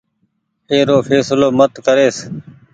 اي رو ڦيسلو مت ڪريس۔